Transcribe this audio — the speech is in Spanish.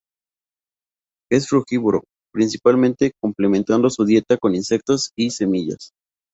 Es frugívoro principalmente, complementando su dieta con insectos y semillas.